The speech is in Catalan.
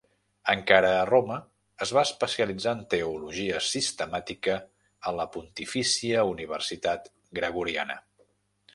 Encara a Roma, es va especialitzar en Teologia Sistemàtica a la Pontifícia Universitat Gregoriana.